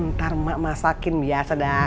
ntar masakin biasa dah